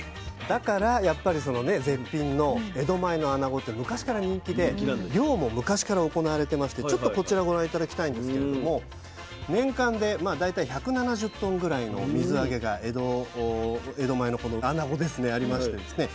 だからやっぱりその絶品の江戸前のあなごって昔から人気で漁も昔から行われてましてちょっとこちらをご覧頂きたいんですけれども年間でまあ大体１７０トンぐらいの水揚げが江戸前のこのあなごありましてですね